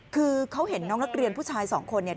คือเขาเห็นน้องนักเรียนผู้ชายสองคนเนี่ย